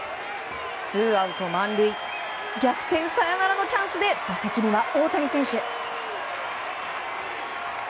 ツーアウト満塁逆転サヨナラのチャンスで打席には大谷選手。